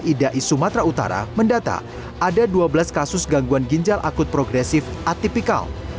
idai sumatera utara mendata ada dua belas kasus gangguan ginjal akut progresif atipikal